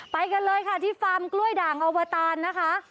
ไปกันเลยค่ะที่ฟาร์มกล้วยด่างอวตารนะคะ